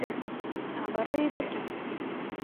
আবারও এই ব্যাটা?